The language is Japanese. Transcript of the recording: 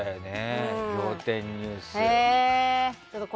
「仰天ニュース」とか。